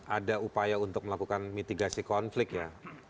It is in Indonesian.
ada upaya untuk melakukan mitigasi konflik ya